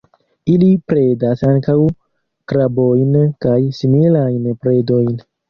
Ili predas ankaŭ krabojn kaj similajn predojn.